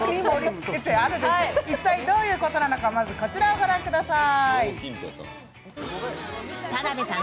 一体どういうことなのか、まずこちらを御覧ください。